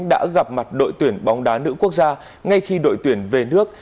đã gặp mặt đội tuyển bóng đá nữ quốc gia ngay khi đội tuyển về nước